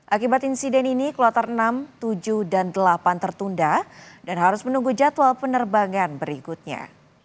akibat insiden ini kloter enam tujuh dan delapan tertunda dan harus menunggu jadwal penerbangan berikutnya